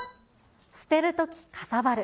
捨てるときかさばる。